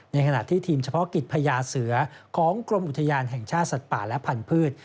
ในขณะที่ทีมเฉพาะกิจพญาเสือของกรมอุทยานแห่งชาติสัตว์ป่าและพันธุ์